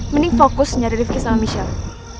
mending fokus nyari refee sama michelle